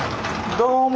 どうも。